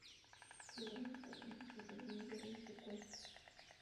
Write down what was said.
Geográficamente, su relieve es de cuestas.